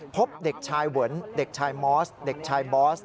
พบเด็กชายเวิร์นเด็กชายมอสเด็กชายบอส